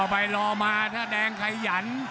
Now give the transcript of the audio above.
ก็รอไปรอมาถ้าแดงไข่หยั่น